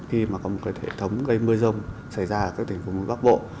khi mà có một hệ thống gây mưa rông xảy ra ở các tỉnh phố bắc bộ